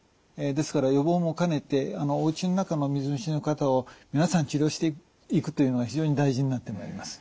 ですから予防も兼ねておうちの中の水虫の方を皆さん治療していくというのが非常に大事になってまいります。